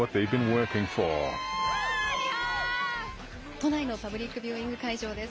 都内のパブリックビューイング会場です。